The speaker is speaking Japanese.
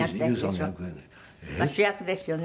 主役ですよね。